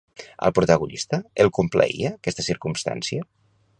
Al protagonista el complaïa aquesta circumstància?